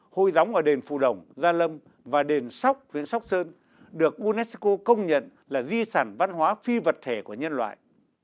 hội gióng ở đền phù đồng gia lâm và đền sóc huyện sóc sơn được unesco công nhận là di sản văn hóa phi vật thể của nhân loại